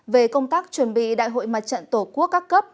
về công tác chuẩn bị đại hội mặt trận tổ quốc các cấp